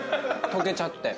とけちゃって。